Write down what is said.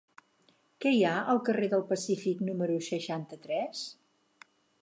Què hi ha al carrer del Pacífic número seixanta-tres?